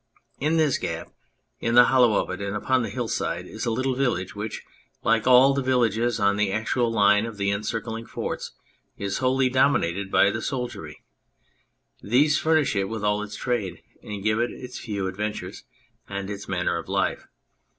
In this gap, in the hollow of it and upon the hillside, is a little village which, like all the villages on the actual line of the encircling forts, is wholly dominated by the soldiery ; these furnish it with all its trade, these give it its few adventures and its manner of life.